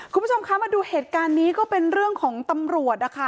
คุณผู้ชมคะมาดูเหตุการณ์นี้ก็เป็นเรื่องของตำรวจนะคะ